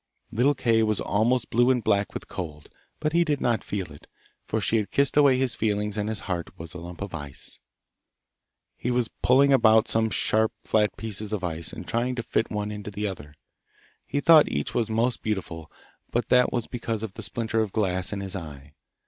Little Kay was almost blue and black with cold, but he did not feel it, for she had kissed away his feelings and his heart was a lump of ice. He was pulling about some sharp, flat pieces of ice, and trying to fit one into the other. He thought each was most beautiful, but that was because of the splinter of glass in his eye.